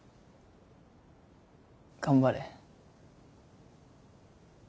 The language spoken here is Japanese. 頑張れ。